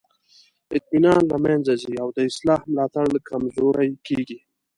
اطمینان له منځه ځي او د اصلاح ملاتړ کمزوری کیږي.